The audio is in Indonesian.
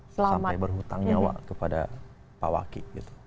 sampai berhutang nyawa kepada pak wakil